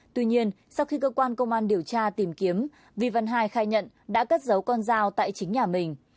tuy nhiên sau khi cơ quan công an điều tra tìm kiếm vi văn hai khai nhận đã cất giấu con dao tại chính nhà mình